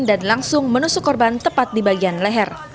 dan langsung menusuk korban tepat di bagian leher